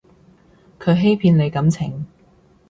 佢欺騙你感情